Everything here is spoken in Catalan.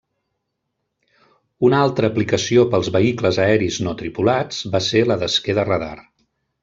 Una altra aplicació pels vehicles aeris no tripulats va ser la d'esquer de radar.